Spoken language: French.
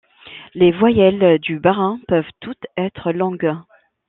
Les voyelles du barin peuvent toutes être longues.